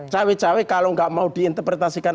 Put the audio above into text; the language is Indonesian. cawi cawi kalau tidak mau diinterpretasikan